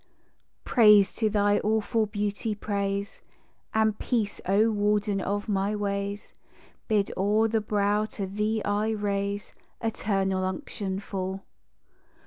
Praise to thine awful beauty, praise And peace, O warden of my ways! Bid o'er the brow to thee I raise, Eternal unction fall.